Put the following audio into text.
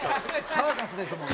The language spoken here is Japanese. サーカスやもん。